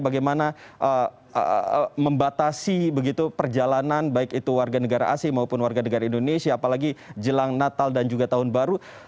bagaimana membatasi begitu perjalanan baik itu warga negara asing maupun warga negara indonesia apalagi jelang natal dan juga tahun baru